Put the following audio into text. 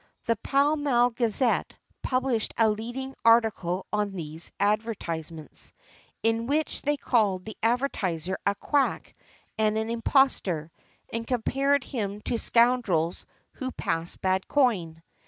The Pall Mall Gazette published a leading article on these advertisements, in which they called the advertiser a quack and an impostor, and compared him to scoundrels "who pass bad coin."